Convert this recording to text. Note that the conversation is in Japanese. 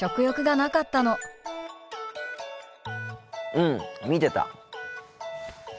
うん見てた。